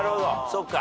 そっか。